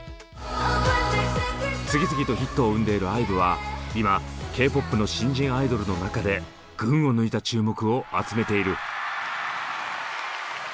次々とヒットを生んでいるＩＶＥは今ＫーＰＯＰの新人アイドルの中で群を抜いた注目を集めている。